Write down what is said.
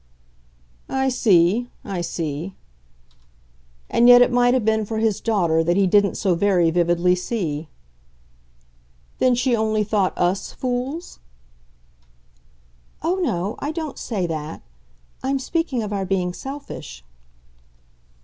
"I see I see." And yet it might have been for his daughter that he didn't so very vividly see. "Then she only thought US fools?" "Oh no I don't say that. I'm speaking of our being selfish."